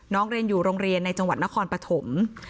เรียนอยู่โรงเรียนในจังหวัดนครปฐม